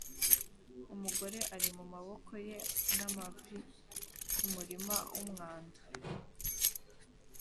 Umugore ari mumaboko ye n'amavi kumurima wumwanda